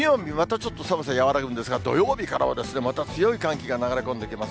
ちょっと寒さ和らぐんですが、土曜日からはまた強い寒気が流れ込んできます。